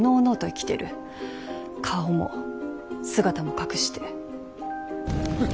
顔も姿も隠して。